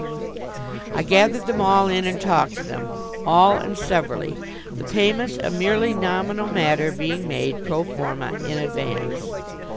I gathered them all in and talked to them, all and severally, the payment, a merely nominal matter, being made, pro forma, in advance.